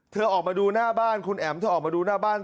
ออกมาดูหน้าบ้านคุณแอ๋มเธอออกมาดูหน้าบ้าน